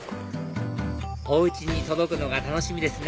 お家に届くのが楽しみですね